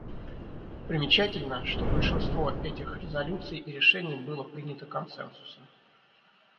Примечательно, что большинство этих резолюций и решений было принято консенсусом.